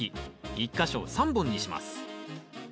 １か所３本にします。